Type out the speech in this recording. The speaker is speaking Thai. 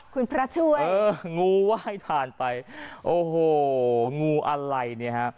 คุณพระช่วยเอองูไหว้ผ่านไปโอ้โหงูอะไรเนี่ยฮะ